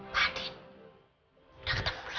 mbak andien udah ketemu lo